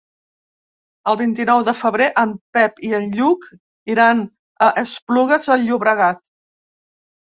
El vint-i-nou de febrer en Pep i en Lluc iran a Esplugues de Llobregat.